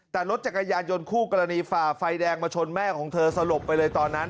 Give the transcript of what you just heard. แต่รถจักรยานยนต์คู่กรณีฝ่าไฟแดงมาชนแม่ของเธอสลบไปเลยตอนนั้น